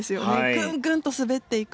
ぐんぐんと滑っていく。